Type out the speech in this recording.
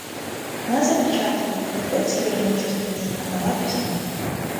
Она запечатала, и Бетси, вернувшись, при ней отдала письмо.